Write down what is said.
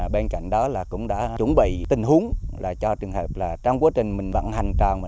bên cạnh đó là cũng đã chuẩn bị tình huống là cho trường hợp là trong quá trình mình vận hành tràng